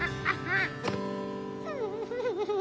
ンフフフフフ。